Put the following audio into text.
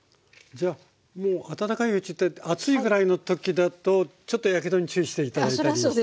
じゃあもう温かいうちって熱いぐらいの時だとちょっとやけどに注意して頂いたりしてね。